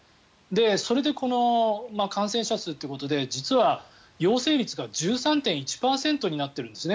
それでこの感染者数ということで実は陽性率が１３．１％になっているんですね